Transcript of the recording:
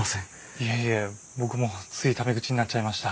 いえいえ僕もついタメ口になっちゃいました。